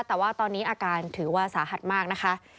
แต่ว่าตอนนี้อาการถือว่าสาหัสมากนะคะ